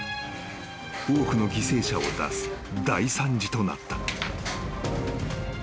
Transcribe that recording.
［多くの犠牲者を出す大惨事となった］